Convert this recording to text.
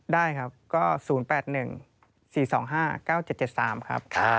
ได้ครับก็ศูนย์แปดหนึ่งสี่สองห้าเก้าเจ็ดเจ็ดสามครับค่ะ